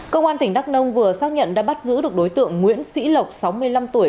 công an tỉnh đắk nông vừa xác nhận đã bắt giữ được đối tượng nguyễn sĩ lộc sáu mươi năm tuổi